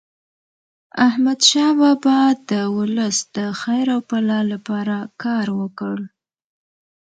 احمدشاه بابا د ولس د خیر او فلاح لپاره کار وکړ.